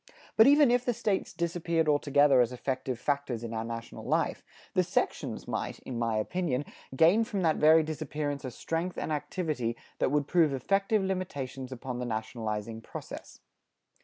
But even if the States disappeared altogether as effective factors in our national life, the sections might, in my opinion, gain from that very disappearance a strength and activity that would prove effective limitations upon the nationalizing process.